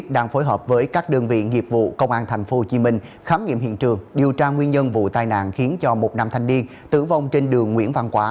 điều tra nguyên nhân vụ tai nạn khiến một nam thanh niên tử vong trên đường nguyễn văn quá